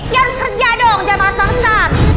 ya harus kerja dong jangan marah bangsa